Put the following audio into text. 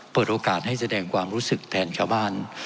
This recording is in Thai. เปิดโอกาสให้แสดงความรู้สึกแทนชาวบ้าน